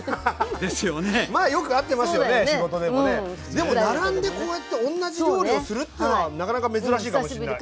でも並んでこうやって同じ料理をするっていうのはなかなか珍しいかもしれない。